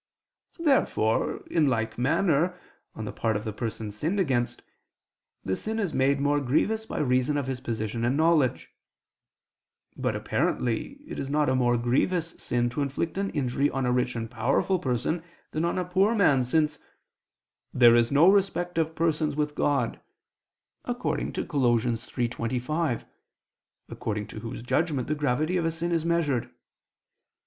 Therefore, in like manner, on the part of the person sinned against, the sin is made more grievous by reason of his position and knowledge. But, apparently, it is not a more grievous sin to inflict an injury on a rich and powerful person than on a poor man, since "there is no respect of persons with God" (Col. 3:25), according to Whose judgment the gravity of a sin is measured.